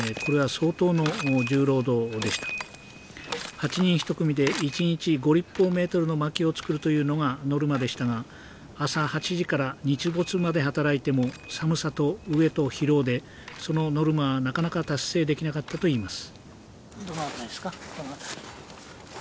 ８人１組で１日５のまきを作るというのがノルマでしたが朝８時から日没まで働いても寒さと飢えと疲労でそのノルマはなかなか達成できなかったといいます。